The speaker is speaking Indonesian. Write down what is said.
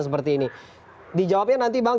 seperti ini dijawabnya nanti bang